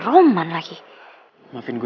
programnya tim ito